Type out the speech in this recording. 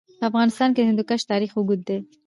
په افغانستان کې د هندوکش تاریخ اوږد دی.